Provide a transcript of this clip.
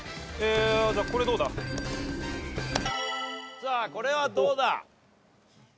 さあこれはどうだ？